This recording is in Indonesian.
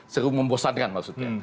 seru membosankan maksudnya